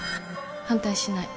反対しない